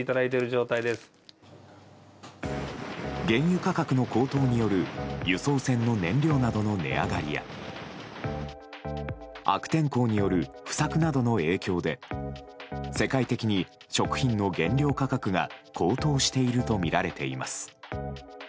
原油価格の高騰による輸送船の燃料などの値上がりや悪天候による不作などの影響で世界的に食品の原料価格が高騰しているとみられています。